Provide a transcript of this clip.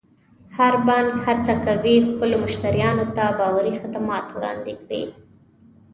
هر بانک هڅه کوي خپلو مشتریانو ته باوري خدمات وړاندې کړي.